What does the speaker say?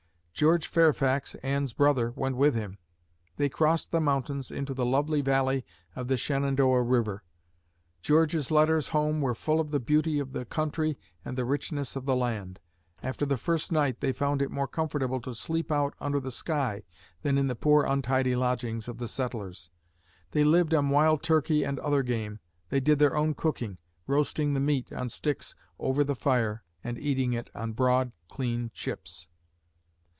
George Fairfax, Anne's brother, went with him. They crossed the mountains into the lovely valley of the Shenandoah River. George's letters home were full of the beauty of the country and the richness of the land. After the first night, they found it more comfortable to sleep out under the sky than in the poor, untidy lodgings of the settlers. They lived on wild turkey and other game. They did their own cooking, roasting the meat on sticks over the fire and eating it on broad, clean chips.